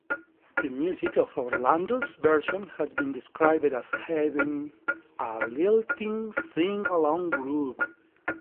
The music of Orlando's version has been described as having "a lilting, sing-along groove".